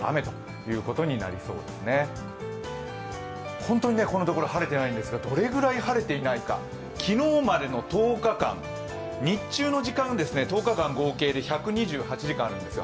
本当にこのところ晴れていないんですが、どれぐらい晴れていないか、昨日までの１０日間、日中の時間１０日間合計で１２８時間あるんですよ。